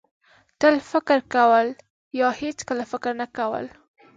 تل فکر کول یا هېڅکله فکر نه کول.